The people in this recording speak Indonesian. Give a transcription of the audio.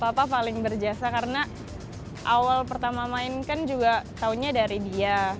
papa paling berjasa karena awal pertama main kan juga taunya dari dia